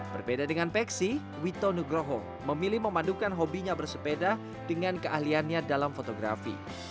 berbeda dengan peksi wito nugroho memilih memadukan hobinya bersepeda dengan keahliannya dalam fotografi